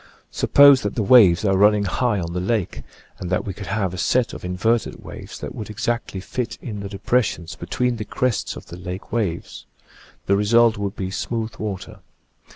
Suppose that the waves are running high on the lake, and that we could have a set of inverted waves that would exactly fit in the depressions between the crests of the lake waves : the result would be smooth water.